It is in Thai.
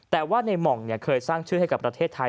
แต่ว่าในหม่องเคยสร้างชื่อให้กับประเทศไทย